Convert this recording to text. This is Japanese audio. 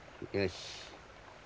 よし。